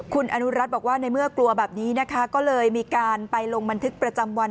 คุณอนุรัติบอกว่าในเมื่อกลัวแบบนี้นะคะก็เลยมีการไปลงบันทึกประจำวัน